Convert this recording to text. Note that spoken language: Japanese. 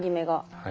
はい。